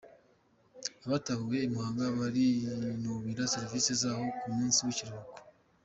Abahatuye Imuhanga barinubira serivisi zaho ku munsi w’ikiruhuko